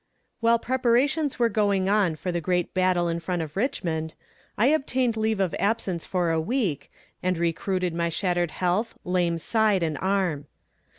While preparations were going on for the great battle in front of Richmond, I obtained leave of absence for a week, and recruited my shattered health, lame side and arm.